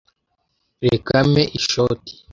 Reka mpe ishoti.